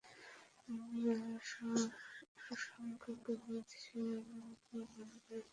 আমরা আশঙ্কা করি সে আমাদের উপর বাড়াবাড়ি করবে অথবা অন্যায় আচরণে সীমালঙ্ঘন করবে।